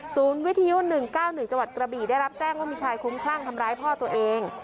วิทยุ๑๙๑จังหวัดกระบี่ได้รับแจ้งว่ามีชายคุ้มคลั่งทำร้ายพ่อตัวเอง